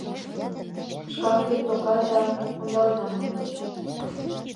Шкак вет тока «да, ондаленам» маньыч.